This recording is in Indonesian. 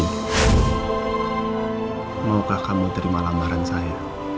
maukah kamu terima lambaran saya